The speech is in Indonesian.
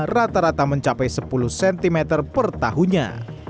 rata rata mencapai sepuluh cm per tahunnya